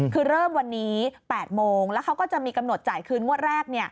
คือเริ่มวันนี้๘โมงแล้วเขาก็จะมีกำหนดจ่ายคืนงวดแรก